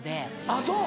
あっそう。